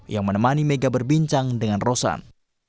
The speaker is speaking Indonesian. yang menemani mega berbincang dengan rosan